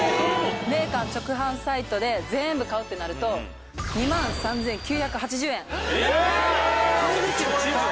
メーカー直販サイトで全部買うってなると２３９８０円・ええこれですよ